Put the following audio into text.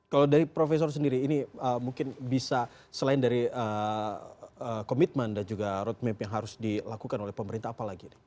kalau dari profesor sendiri ini mungkin bisa selain dari komitmen dan juga roadmap yang harus dilakukan oleh pemerintah apalagi